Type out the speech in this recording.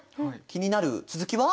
気になる続きは？